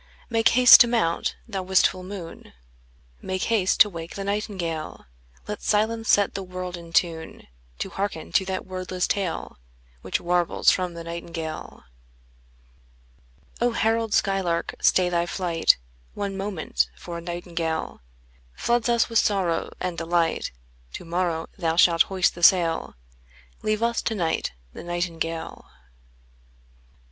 Make haste to mount, thou wistful moon, Make haste to wake the nightingale: Let silence set the world in tune To hearken to that wordless tale Which warbles from the nightingale O herald skylark, stay thy flight One moment, for a nightingale Floods us with sorrow and delight. To morrow thou shalt hoist the sail; Leave us to night the nightingale.